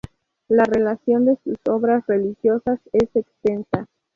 La relación de sus obras religiosas es extensa.